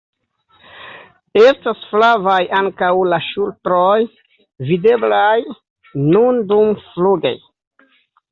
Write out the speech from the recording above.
Estas flavaj ankaŭ la ŝultroj, videblaj nun dumfluge.